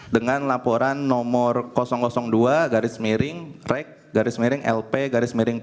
dengan laporan nomor dua garis miring rek garis miring lp garis miring tiga